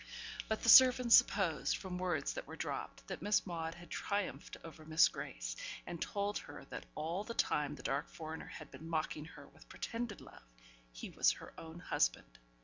But the servants supposed, from words that were dropped, that Miss Maude had triumphed over Miss Grace, and told her that all the time the dark foreigner had been mocking her with pretended love he was her own husband.